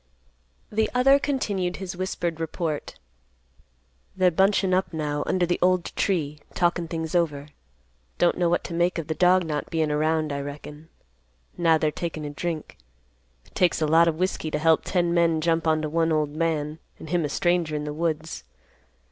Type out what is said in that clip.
The other continued his whispered report; "They're bunchin' up now under the old tree, talkin' things over. Don't know what to make of the dog not bein' around, I reckon. Now they're takin' a drink. It takes a lot of whiskey to help ten men jump onto one old man, and him a stranger in the Woods.